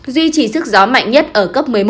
duy trì sức gió mạnh nhất ở cấp một mươi một